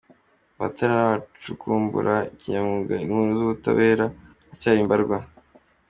Abatara n’abacukumbura kinyamwuga inkuru z’ubutabera baracyari mbarwa.